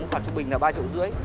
mức phạt trung bình là ba triệu rưỡi